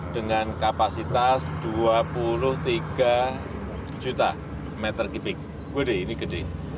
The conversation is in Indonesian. dengan kapasitas dua puluh tiga juta meter kubik gede ini gede